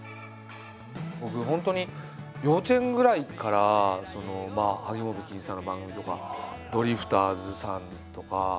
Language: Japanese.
僕本当に幼稚園ぐらいから萩本欽一さんの番組とかドリフターズさんとか。